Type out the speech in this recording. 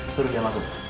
suruh dia masuk